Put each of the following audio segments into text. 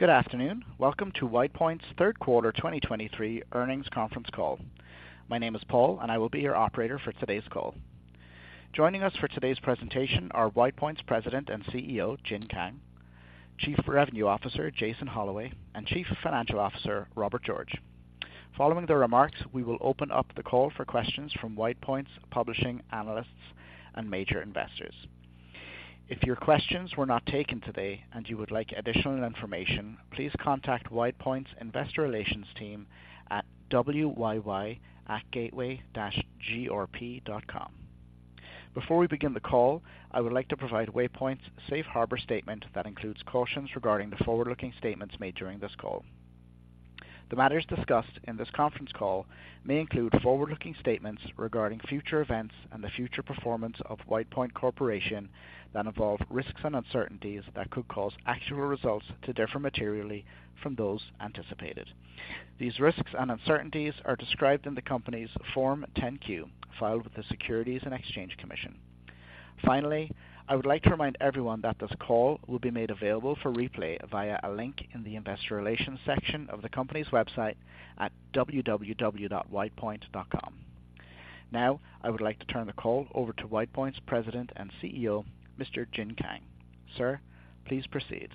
Good afternoon. Welcome to WidePoint's third quarter 2023 earnings conference call. My name is Paul, and I will be your operator for today's call. Joining us for today's presentation are WidePoint's President and CEO, Jin Kang, Chief Revenue Officer, Jason Holloway, and Chief Financial Officer, Robert George. Following the remarks, we will open up the call for questions from WidePoint's publishing analysts and major investors. If your questions were not taken today and you would like additional information, please contact WidePoint's Investor Relations team at wyy@gateway-grp.com. Before we begin the call, I would like to provide WidePoint's safe harbor statement that includes cautions regarding the forward-looking statements made during this call. The matters discussed in this conference call may include forward-looking statements regarding future events and the future performance of WidePoint Corporation that involve risks and uncertainties that could cause actual results to differ materially from those anticipated. These risks and uncertainties are described in the company's Form 10-Q, filed with the Securities and Exchange Commission. Finally, I would like to remind everyone that this call will be made available for replay via a link in the Investor Relations section of the company's website at www.widepoint.com. Now, I would like to turn the call over to WidePoint's President and CEO, Mr. Jin Kang. Sir, please proceed.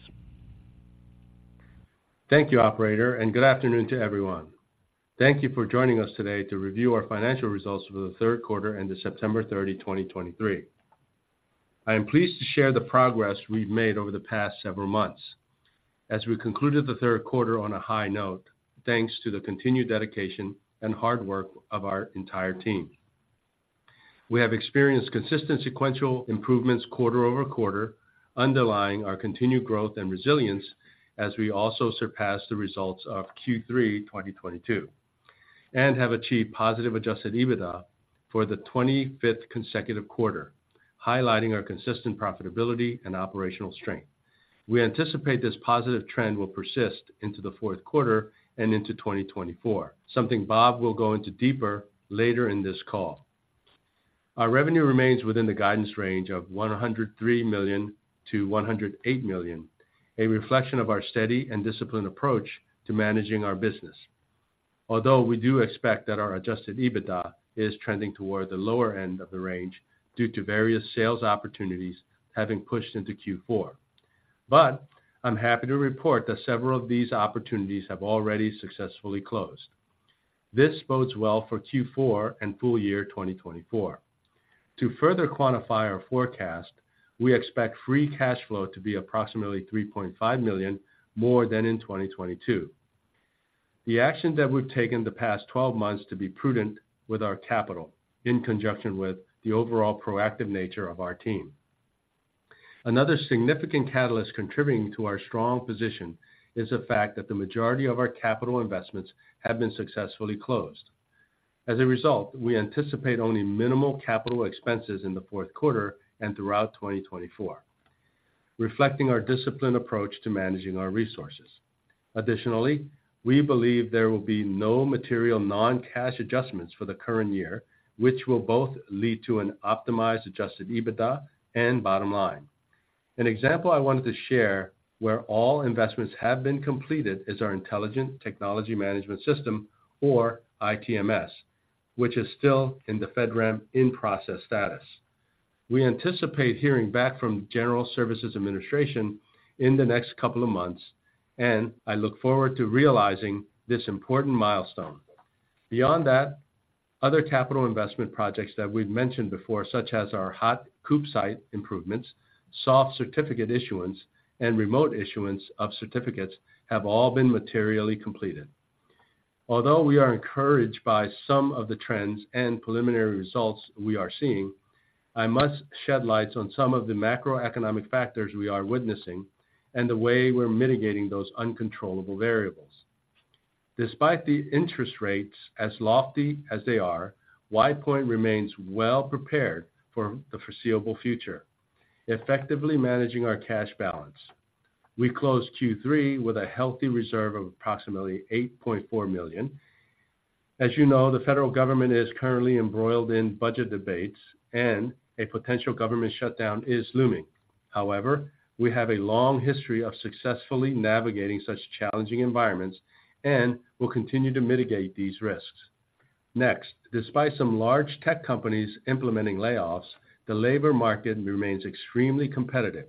Thank you, operator, and good afternoon to everyone. Thank you for joining us today to review our financial results for the third quarter ended September 30, 2023. I am pleased to share the progress we've made over the past several months as we concluded the third quarter on a high note, thanks to the continued dedication and hard work of our entire team. We have experienced consistent sequential improvements quarter-over-quarter, underlying our continued growth and resilience as we also surpassed the results of Q3 2022, and have achieved positive Adjusted EBITDA for the 25th consecutive quarter, highlighting our consistent profitability and operational strength. We anticipate this positive trend will persist into the fourth quarter and into 2024, something Bob will go into deeper later in this call. Our revenue remains within the guidance range of $103 million-$108 million, a reflection of our steady and disciplined approach to managing our business. Although we do expect that our Adjusted EBITDA is trending toward the lower end of the range due to various sales opportunities having pushed into Q4. But I'm happy to report that several of these opportunities have already successfully closed. This bodes well for Q4 and full year 2024. To further quantify our forecast, we expect free cash flow to be approximately $3.5 million, more than in 2022. The action that we've taken the past 12 months to be prudent with our capital, in conjunction with the overall proactive nature of our team. Another significant catalyst contributing to our strong position is the fact that the majority of our capital investments have been successfully closed. As a result, we anticipate only minimal capital expenses in the fourth quarter and throughout 2024, reflecting our disciplined approach to managing our resources. Additionally, we believe there will be no material non-cash adjustments for the current year, which will both lead to an optimized, Adjusted EBITDA and bottom line. An example I wanted to share, where all investments have been completed, is our Intelligent Technology Management System, or ITMS, which is still in the FedRAMP in-process status. We anticipate hearing back from General Services Administration in the next couple of months, and I look forward to realizing this important milestone. Beyond that, other capital investment projects that we've mentioned before, such as our hot COOP site improvements, soft certificate issuance, and remote issuance of certificates, have all been materially completed. Although we are encouraged by some of the trends and preliminary results we are seeing, I must shed light on some of the macroeconomic factors we are witnessing and the way we're mitigating those uncontrollable variables. Despite the interest rates, as lofty as they are, WidePoint remains well prepared for the foreseeable future, effectively managing our cash balance. We closed Q3 with a healthy reserve of approximately $8.4 million. As you know, the federal government is currently embroiled in budget debates and a potential government shutdown is looming. However, we have a long history of successfully navigating such challenging environments and will continue to mitigate these risks. Next, despite some large tech companies implementing layoffs, the labor market remains extremely competitive.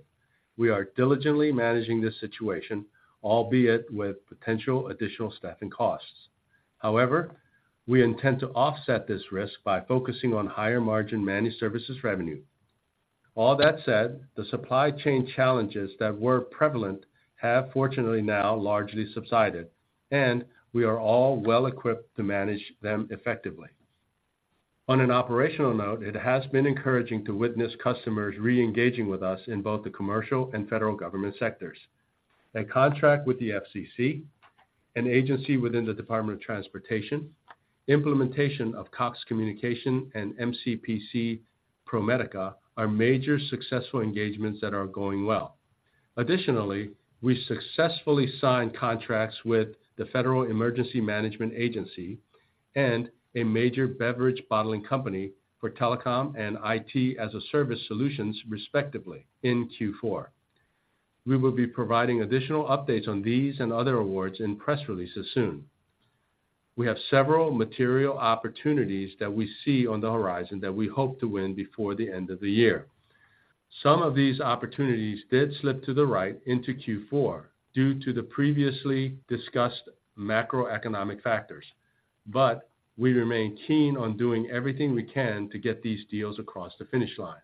We are diligently managing this situation, albeit with potential additional staffing costs. However, we intend to offset this risk by focusing on higher-margin managed services revenue. All that said, the supply chain challenges that were prevalent have fortunately now largely subsided, and we are all well-equipped to manage them effectively. On an operational note, it has been encouraging to witness customers reengaging with us in both the commercial and federal government sectors. A contract with the FCC, an agency within the Department of Transportation, implementation of Cox Communications and MCPc, ProMedica are major successful engagements that are going well. Additionally, we successfully signed contracts with the Federal Emergency Management Agency and a major beverage bottling company for telecom and IT as a service solutions, respectively, in Q4. We will be providing additional updates on these and other awards in press releases soon. We have several material opportunities that we see on the horizon that we hope to win before the end of the year. Some of these opportunities did slip to the right into Q4 due to the previously discussed macroeconomic factors, but we remain keen on doing everything we can to get these deals across the finish line.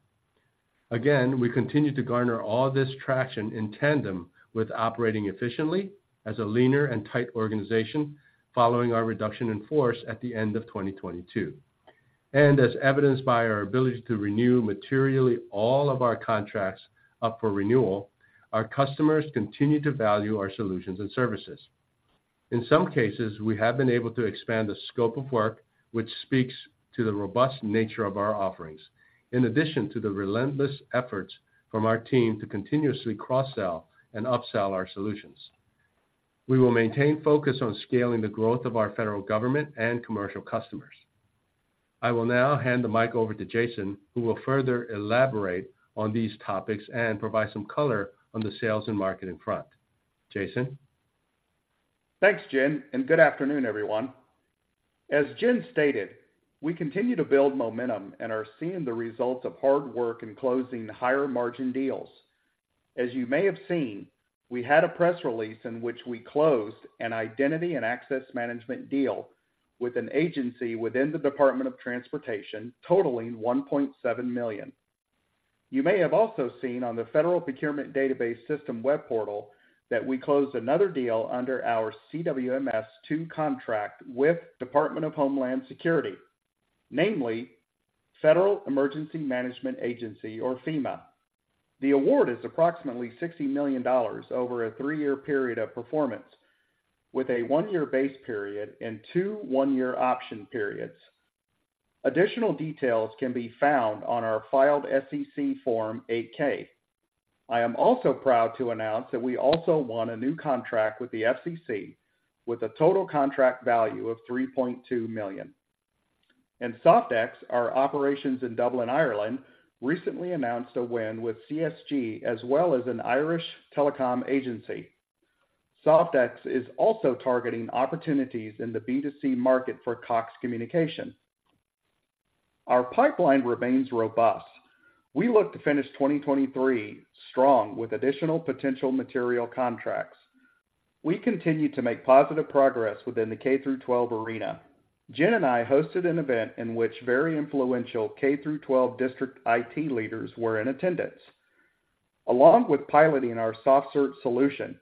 Again, we continue to garner all this traction in tandem with operating efficiently as a leaner and tight organization, following our reduction in force at the end of 2022. As evidenced by our ability to renew materially all of our contracts up for renewal, our customers continue to value our solutions and services. In some cases, we have been able to expand the scope of work, which speaks to the robust nature of our offerings, in addition to the relentless efforts from our team to continuously cross-sell and upsell our solutions. We will maintain focus on scaling the growth of our federal government and commercial customers. I will now hand the mic over to Jason, who will further elaborate on these topics and provide some color on the sales and marketing front. Jason? Thanks, Jin, and good afternoon, everyone. As Jin stated, we continue to build momentum and are seeing the results of hard work in closing higher-margin deals. As you may have seen, we had a press release in which we closed an identity and access management deal with an agency within the Department of Transportation totaling $1.7 million. You may have also seen on the Federal Procurement Database system web portal that we closed another deal under our CWMS 2.0 contract with Department of Homeland Security, namely Federal Emergency Management Agency or FEMA. The award is approximately $60 million over a three-year period of performance, with a one-year base period and two one-year option periods. Additional details can be found on our filed SEC Form 8-K. I am also proud to announce that we also won a new contract with the FCC with a total contract value of $3.2 million. In Soft-ex, our operations in Dublin, Ireland, recently announced a win with CSG as well as an Irish telecom agency. Soft-ex is also targeting opportunities in the B2C market for Cox Communications. Our pipeline remains robust. We look to finish 2023 strong with additional potential material contracts. We continue to make positive progress within the K-12 arena. Jin and I hosted an event in which very influential K-12 district IT leaders were in attendance. Along with piloting our SoftCert solution,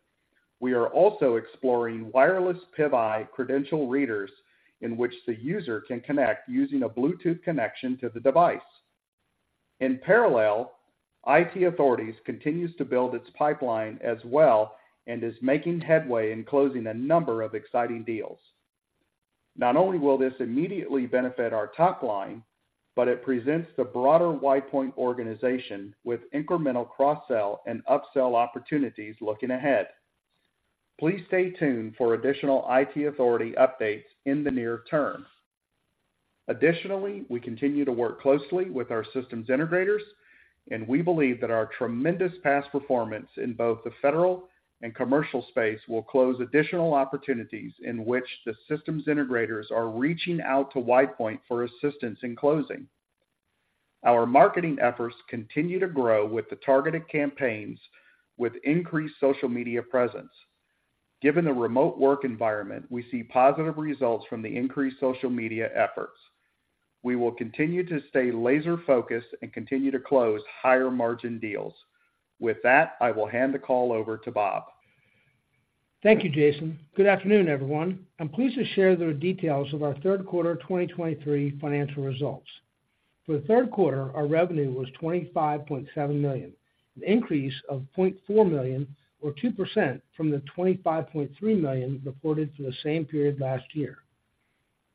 we are also exploring wireless PIV-I credential readers in which the user can connect using a Bluetooth connection to the device. In parallel, IT Authorities continues to build its pipeline as well and is making headway in closing a number of exciting deals. Not only will this immediately benefit our top line, but it presents the broader WidePoint organization with incremental cross-sell and upsell opportunities looking ahead. Please stay tuned for additional IT Authorities updates in the near term. Additionally, we continue to work closely with our systems integrators, and we believe that our tremendous past performance in both the federal and commercial space will close additional opportunities in which the systems integrators are reaching out to WidePoint for assistance in closing. Our marketing efforts continue to grow with the targeted campaigns with increased social media presence. Given the remote work environment, we see positive results from the increased social media efforts. We will continue to stay laser-focused and continue to close higher-margin deals. With that, I will hand the call over to Bob. Thank you, Jason. Good afternoon, everyone. I'm pleased to share the details of our third quarter 2023 financial results. For the third quarter, our revenue was $25.7 million, an increase of $0.4 million or 2% from the $25.3 million reported for the same period last year.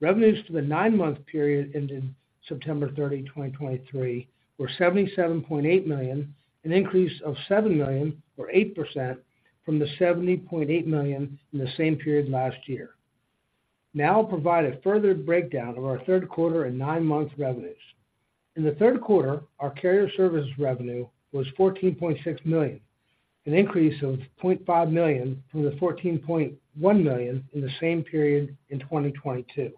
Revenues for the nine-month period ended September 30, 2023, were $77.8 million, an increase of $7 million or 8% from the $70.8 million in the same period last year. Now I'll provide a further breakdown of our third quarter and nine-month revenues. In the third quarter, our carrier services revenue was $14.6 million, an increase of $0.5 million from the $14.1 million in the same period in 2022.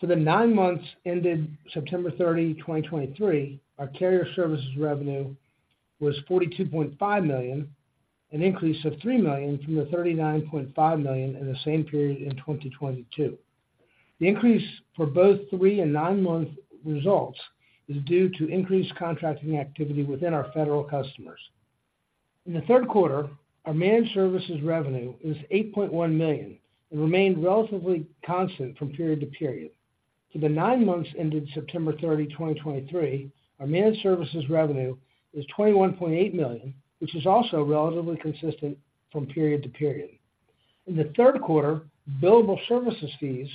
For the nine months ended September 30, 2023, our carrier services revenue was $42.5 million, an increase of $3 million from the $39.5 million in the same period in 2022. The increase for both three and nine-month results is due to increased contracting activity within our federal customers. In the third quarter, our managed services revenue was $8.1 million and remained relatively constant from period to period. For the nine months ended September 30, 2023, our managed services revenue was $21.8 million, which is also relatively consistent from period to period. In the third quarter, billable services fees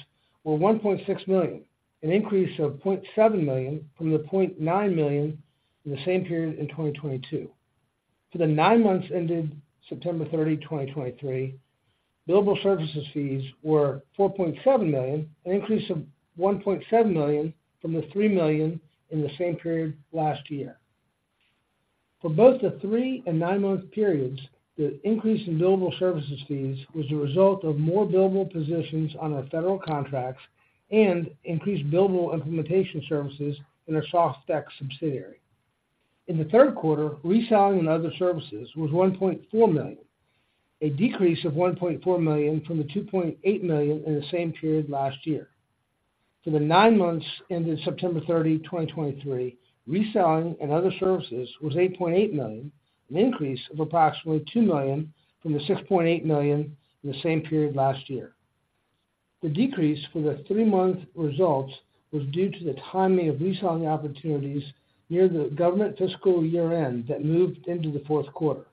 were $1.6 million, an increase of $0.7 million from the $0.9 million in the same period in 2022. For the nine months ended September 30, 2023, billable services fees were $4.7 million, an increase of $1.7 million from the $3 million in the same period last year. For both the three- and nine-month periods, the increase in billable services fees was the result of more billable positions on our federal contracts and increased billable implementation services in our Soft-ex subsidiary. In the third quarter, reselling and other services was $1.4 million, a decrease of $1.4 million from the $2.8 million in the same period last year. For the nine months ended September 30, 2023, reselling and other services was $8.8 million, an increase of approximately $2 million from the $6.8 million in the same period last year. The decrease for the three-month results was due to the timing of reselling opportunities near the government fiscal year-end that moved into the fourth quarter.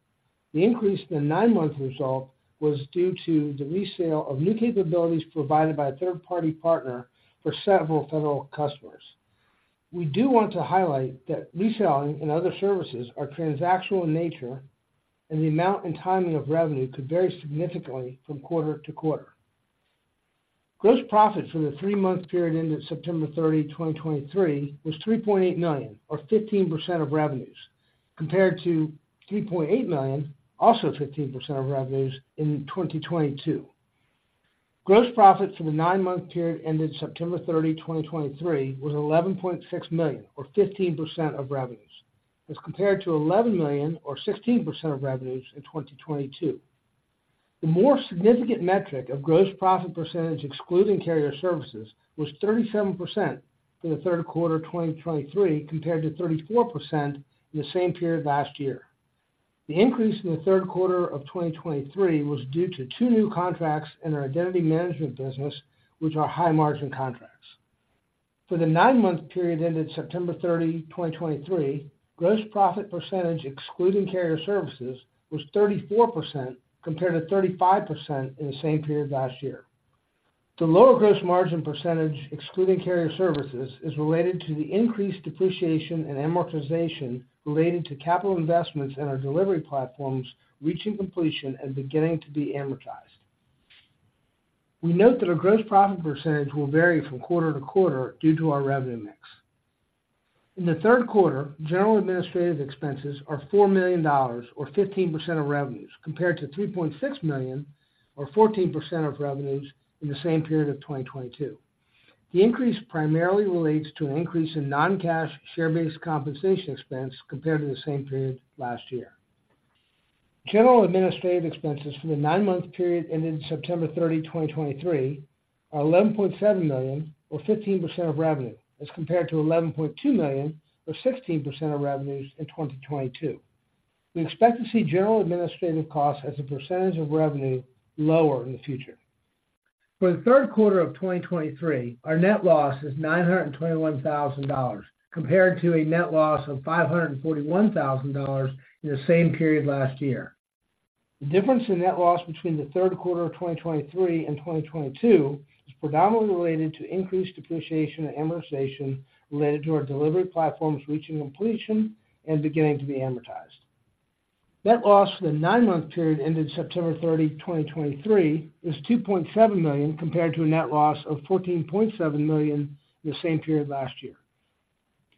The increase in the nine-month result was due to the resale of new capabilities provided by a third-party partner for several federal customers. We do want to highlight that reselling and other services are transactional in nature, and the amount and timing of revenue could vary significantly from quarter to quarter. Gross profit for the three-month period ended September 30, 2023, was $3.8 million, or 15% of revenues, compared to $3.8 million, also 15% of revenues, in 2022. Gross profit for the nine-month period ended September 30, 2023, was $11.6 million, or 15% of revenues, as compared to $11 million or 16% of revenues in 2022. The more significant metric of gross profit percentage, excluding carrier services, was 37% for the third quarter of 2023, compared to 34% in the same period last year. The increase in the third quarter of 2023 was due to two new contracts in our identity management business, which are high-margin contracts. For the nine-month period ended September 30, 2023, gross profit percentage, excluding carrier services, was 34%, compared to 35% in the same period last year. The lower gross margin percentage, excluding carrier services, is related to the increased depreciation and amortization related to capital investments in our delivery platforms reaching completion and beginning to be amortized. We note that our gross profit percentage will vary from quarter to quarter due to our revenue mix. In the third quarter, general administrative expenses are $4 million, or 15% of revenues, compared to $3.6 million, or 14% of revenues, in the same period of 2022. The increase primarily relates to an increase in non-cash share-based compensation expense compared to the same period last year. General administrative expenses for the nine-month period ended September 30, 2023, are $11.7 million, or 15% of revenue, as compared to $11.2 million, or 16% of revenues, in 2022. We expect to see general administrative costs as a percentage of revenue lower in the future. For the third quarter of 2023, our net loss is $921,000, compared to a net loss of $541,000 in the same period last year. The difference in net loss between the third quarter of 2023 and 2022 is predominantly related to increased depreciation and amortization related to our delivery platforms reaching completion and beginning to be amortized. Net loss for the nine-month period ended September 30, 2023, is $2.7 million, compared to a net loss of $14.7 million in the same period last year.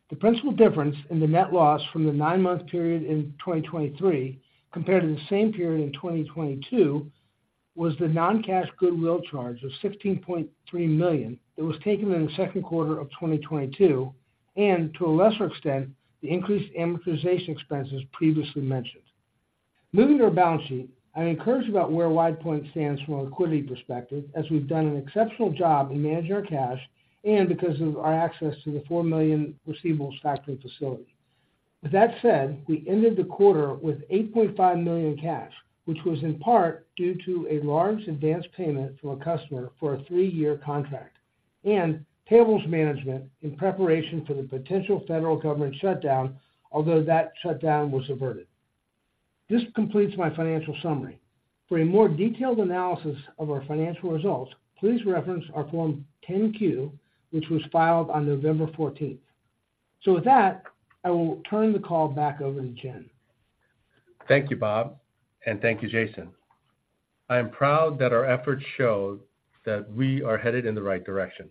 The principal difference in the net loss from the nine-month period in 2023 compared to the same period in 2022, was the non-cash goodwill charge of $16.3 million that was taken in the second quarter of 2022, and to a lesser extent, the increased amortization expenses previously mentioned. Moving to our balance sheet, I'm encouraged about where WidePoint stands from a liquidity perspective, as we've done an exceptional job in managing our cash and because of our access to the $4 million receivables factoring facility. With that said, we ended the quarter with $8.5 million in cash, which was in part due to a large advanced payment from a customer for a three-year contract and payables management in preparation for the potential federal government shutdown, although that shutdown was averted. This completes my financial summary. For a more detailed analysis of our financial results, please reference our Form 10-Q, which was filed on November 14. With that, I will turn the call back over to Jin. Thank you, Bob, and thank you, Jason. I am proud that our efforts show that we are headed in the right direction,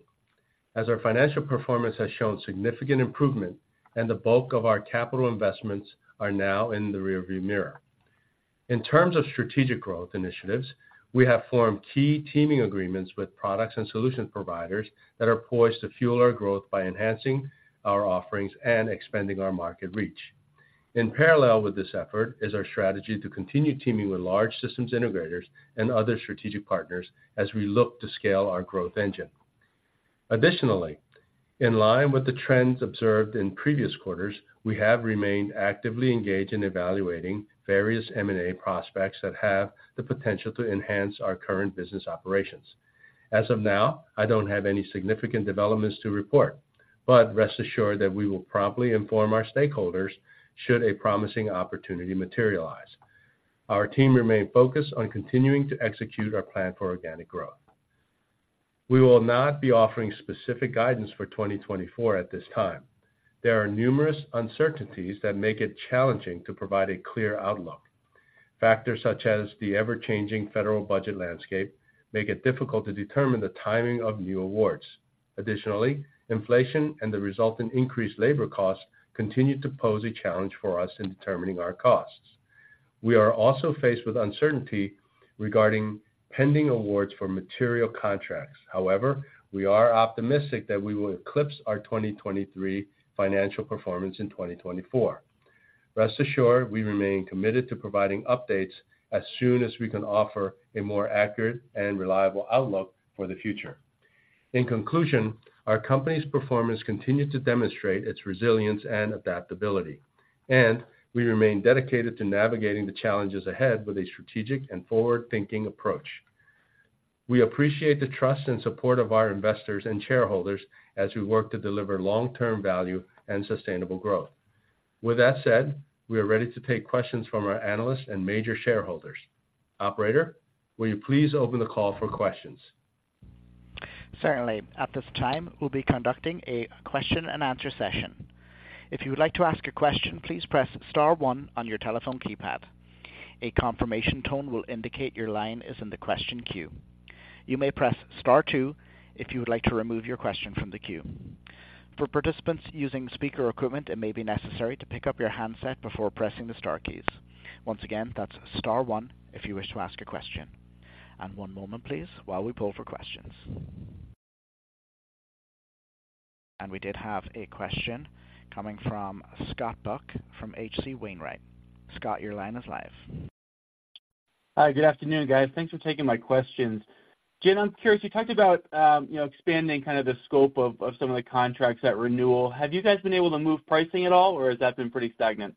as our financial performance has shown significant improvement and the bulk of our capital investments are now in the rearview mirror. In terms of strategic growth initiatives, we have formed key teaming agreements with products and solution providers that are poised to fuel our growth by enhancing our offerings and expanding our market reach. In parallel with this effort is our strategy to continue teaming with large systems integrators and other strategic partners as we look to scale our growth engine. Additionally, in line with the trends observed in previous quarters, we have remained actively engaged in evaluating various M&A prospects that have the potential to enhance our current business operations. As of now, I don't have any significant developments to report, but rest assured that we will promptly inform our stakeholders should a promising opportunity materialize. Our team remains focused on continuing to execute our plan for organic growth. We will not be offering specific guidance for 2024 at this time. There are numerous uncertainties that make it challenging to provide a clear outlook. Factors such as the ever-changing federal budget landscape make it difficult to determine the timing of new awards. Additionally, inflation and the resulting increased labor costs continue to pose a challenge for us in determining our costs. We are also faced with uncertainty regarding pending awards for material contracts. However, we are optimistic that we will eclipse our 2023 financial performance in 2024. Rest assured, we remain committed to providing updates as soon as we can offer a more accurate and reliable outlook for the future. In conclusion, our company's performance continued to demonstrate its resilience and adaptability, and we remain dedicated to navigating the challenges ahead with a strategic and forward-thinking approach. We appreciate the trust and support of our investors and shareholders as we work to deliver long-term value and sustainable growth. With that said, we are ready to take questions from our analysts and major shareholders. Operator, will you please open the call for questions? Certainly. At this time, we'll be conducting a question and answer session. If you would like to ask a question, please press star one on your telephone keypad. A confirmation tone will indicate your line is in the question queue. You may press star two if you would like to remove your question from the queue. For participants using speaker equipment, it may be necessary to pick up your handset before pressing the star keys. Once again, that's star one if you wish to ask a question. One moment please, while we pull for questions. We did have a question coming from Scott Buck from H.C. Wainwright. Scott, your line is live. Hi. Good afternoon, guys. Thanks for taking my questions. Jin, I'm curious, you talked about, you know, expanding kind of the scope of some of the contracts at renewal. Have you guys been able to move pricing at all, or has that been pretty stagnant?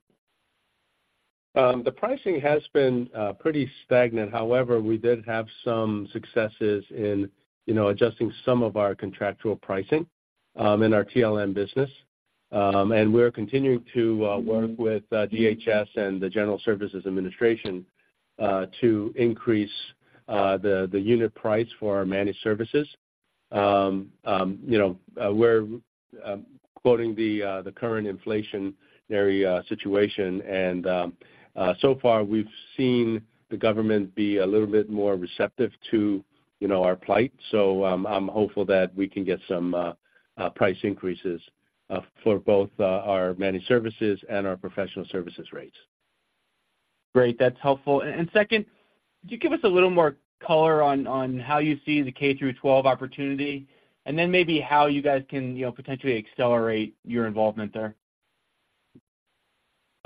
The pricing has been pretty stagnant. However, we did have some successes in, you know, adjusting some of our contractual pricing in our TLM business. We're continuing to work with DHS and the General Services Administration to increase the unit price for our managed services. You know, we're quoting the current inflationary situation and so far we've seen the government be a little bit more receptive to, you know, our plight. So, I'm hopeful that we can get some price increases for both our managed services and our professional services rates. Great, that's helpful. And second, could you give us a little more color on how you see the K-12 opportunity? And then maybe how you guys can, you know, potentially accelerate your involvement there.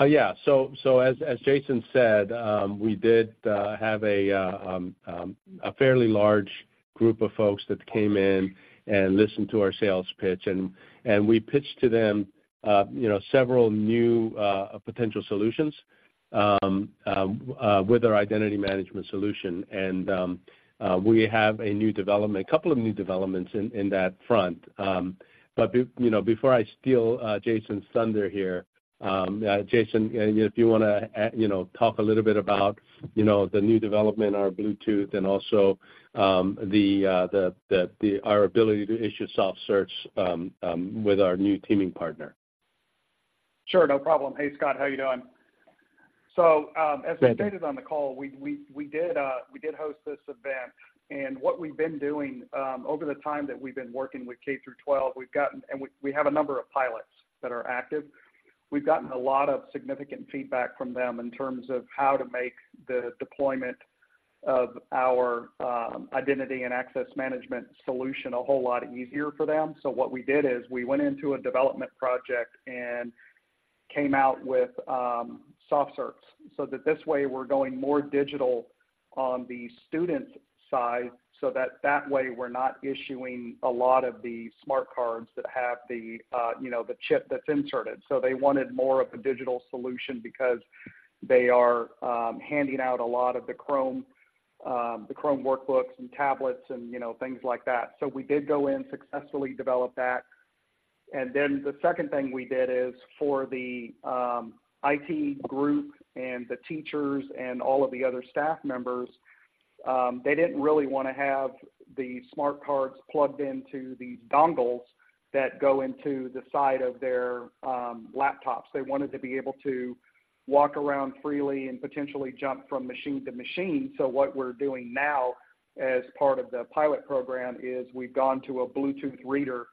Yeah. So, as Jason said, we did have a fairly large group of folks that came in and listened to our sales pitch, and we pitched to them, you know, several new potential solutions with our identity management solution. And, we have a new development—a couple of new developments in that front. But you know, before I steal Jason's thunder here, Jason, if you want to, you know, talk a little bit about, you know, the new development, our Bluetooth and also our ability to issue SoftCert with our new teaming partner. Sure, no problem. Hey, Scott, how are you doing? So, as we stated on the call, we did host this event, and what we've been doing over the time that we've been working with K-12, we have a number of pilots that are active. We've gotten a lot of significant feedback from them in terms of how to make the deployment of our identity and access management solution a whole lot easier for them. So what we did is we went into a development project and came out with SoftCert, so that this way we're going more digital on the student side, so that way we're not issuing a lot of the smart cards that have the, you know, the chip that's inserted. So they wanted more of a digital solution because they are handing out a lot of the Chrome, the Chromebooks and tablets and, you know, things like that. So we did go in, successfully developed that. And then the second thing we did is for the IT group and the teachers and all of the other staff members, they didn't really want to have the smart cards plugged into the dongles that go into the side of their laptops. They wanted to be able to walk around freely and potentially jump from machine to machine. So what we're doing now, as part of the pilot program, is we've gone to a Bluetooth reader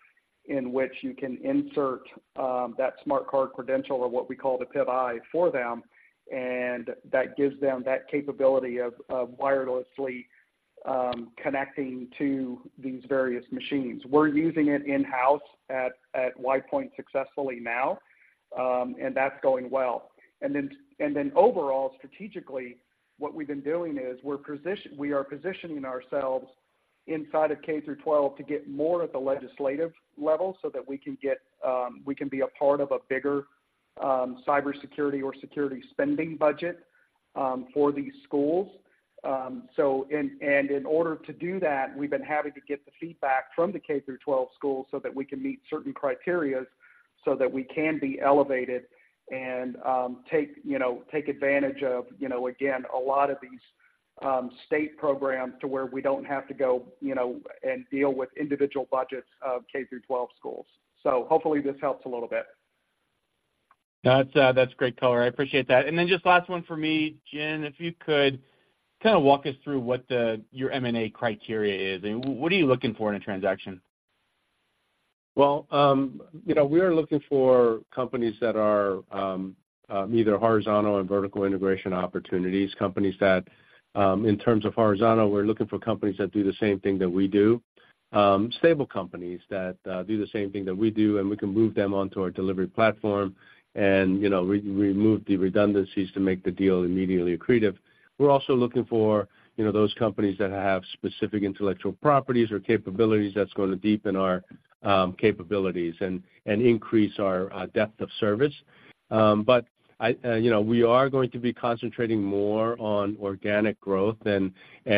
in which you can insert that smart card credential or what we call the PIV-I for them, and that gives them that capability of wirelessly connecting to these various machines. We're using it in-house at WidePoint successfully now, and that's going well. And then overall, strategically, what we've been doing is we are positioning ourselves inside of K-12 to get more at the legislative level so that we can get, we can be a part of a bigger cybersecurity or security spending budget for these schools. So in order to do that, we've been having to get the feedback from the K-12 schools so that we can meet certain criteria, so that we can be elevated and, you know, take advantage of, you know, again, a lot of these state programs to where we don't have to go, you know, and deal with individual budgets of K-12 schools. So hopefully this helps a little bit. That's, that's great color. I appreciate that. And then just last one for me, Jin, if you could kind of walk us through what the, your M&A criteria is, and what are you looking for in a transaction? Well, you know, we are looking for companies that are either horizontal and vertical integration opportunities. Companies that in terms of horizontal, we're looking for companies that do the same thing that we do. Stable companies that do the same thing that we do, and we can move them onto our delivery platform and, you know, remove the redundancies to make the deal immediately accretive. We're also looking for, you know, those companies that have specific intellectual properties or capabilities that's going to deepen our capabilities and increase our depth of service. But I, you know, we are going to be concentrating more on organic growth and, you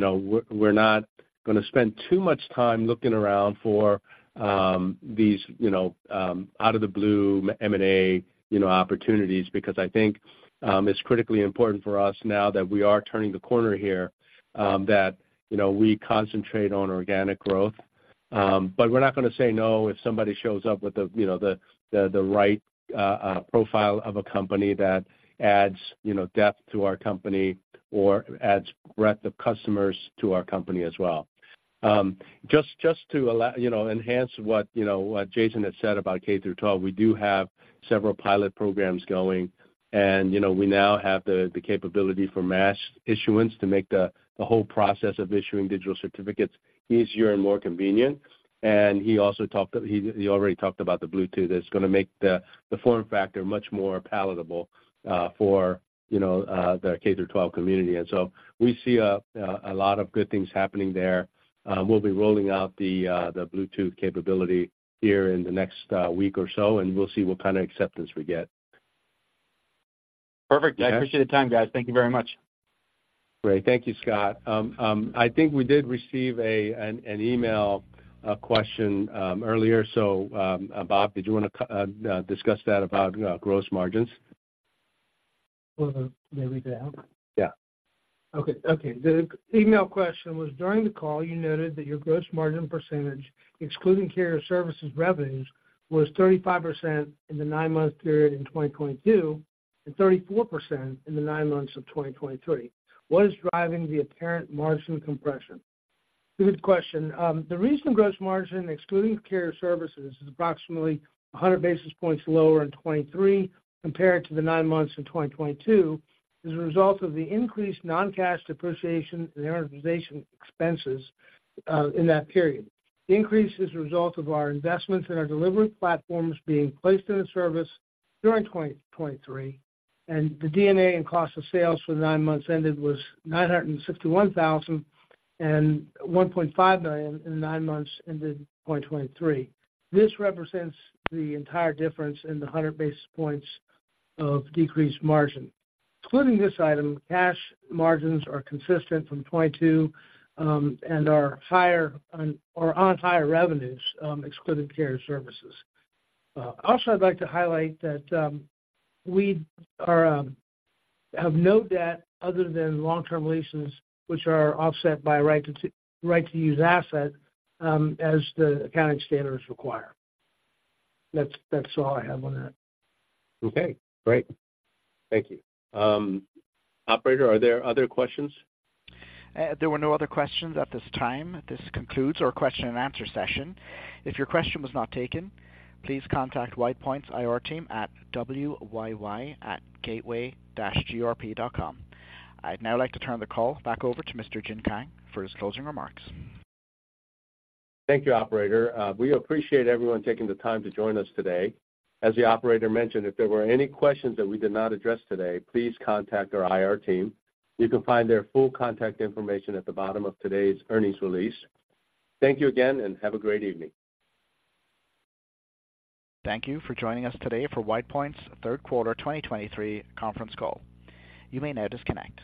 know, we're not gonna spend too much time looking around for these, you know, out of the blue M&A opportunities. Because I think, it's critically important for us now that we are turning the corner here, that, you know, we concentrate on organic growth. But we're not gonna say no if somebody shows up with the, you know, the right profile of a company that adds, you know, depth to our company or adds breadth of customers to our company as well. Just to allow, you know, enhance what, you know, what Jason had said about K-12, we do have several pilot programs going, and, you know, we now have the capability for mass issuance to make the whole process of issuing digital certificates easier and more convenient. He also talked. He already talked about the Bluetooth that's gonna make the form factor much more palatable for you know the K-12 community. And so we see a lot of good things happening there. We'll be rolling out the Bluetooth capability here in the next week or so, and we'll see what kind of acceptance we get. Perfect. Okay. I appreciate the time, guys. Thank you very much. Great. Thank you, Scott. I think we did receive an email question earlier. So, Bob, did you want to discuss that about gross margins? Well, may read it out? Yeah. Okay. Okay, the email question was: During the call, you noted that your gross margin percentage, excluding carrier services revenues, was 35% in the nine-month period in 2022, and 34% in the nine months of 2023. What is driving the apparent margin compression? Good question. The reason gross margin, excluding carrier services, is approximately 100 basis points lower in 2023 compared to the nine months in 2022, is a result of the increased non-cash depreciation and amortization expenses in that period. The increase is a result of our investments in our delivery platforms being placed in the service during 2023, and the D&A and cost of sales for the nine months ended was $961,000 and $1.5 million in the nine months ended 2023. This represents the entire difference in the 100 basis points of decreased margin. Including this item, cash margins are consistent from 2022, and are higher on or on higher revenues, excluding carrier services. Also, I'd like to highlight that we have no debt other than long-term leases, which are offset by right-of-use asset, as the accounting standards require. That's all I have on that. Okay, great. Thank you. Operator, are there other questions? There were no other questions at this time. This concludes our question and answer session. If your question was not taken, please contact WidePoint's IR team at wyy@gateway-grp.com. I'd now like to turn the call back over to Mr. Jin Kang for his closing remarks. Thank you, operator. We appreciate everyone taking the time to join us today. As the operator mentioned, if there were any questions that we did not address today, please contact our IR team. You can find their full contact information at the bottom of today's earnings release. Thank you again, and have a great evening. Thank you for joining us today for WidePoint's third quarter 2023 conference call. You may now disconnect.